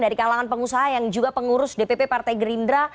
dari kalangan pengusaha yang juga pengurus dpp partai gerindra